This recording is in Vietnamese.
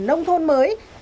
nông thôn mới